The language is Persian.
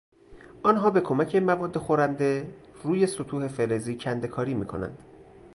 آنها به کمک مواد خورنده روی سطوح فلزی کندهکاری میکنند.